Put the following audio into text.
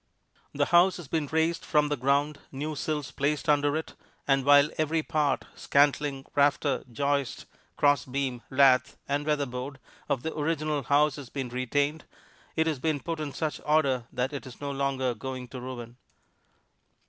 The house has been raised from the ground, new sills placed under it, and while every part scantling, rafter, joist, crossbeam, lath and weatherboard of the original house has been retained, it has been put in such order that it is no longer going to ruin.